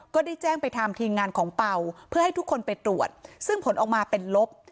ก็ได้แจ้งไปทางทีมงานของเป่าเพื่อให้ทุกคนไปตรวจซึ่งผลออกมาเป็นลบ